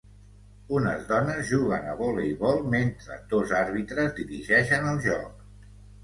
Unes dones juguen a voleibol mentre dos àrbitres dirigeixen el joc.